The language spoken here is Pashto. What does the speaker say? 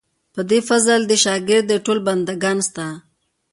په دې فضل دې شاګر دي ټول بندګان ستا.